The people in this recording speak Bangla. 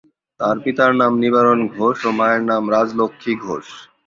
তার পিতার নাম নিবারণ ঘোষ ও মায়ের নাম রাজলক্ষ্মী ঘোষ।